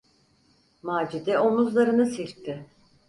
Macide omuzlarını silkti.